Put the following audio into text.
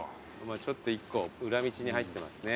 ちょっと１個裏道に入ってますね。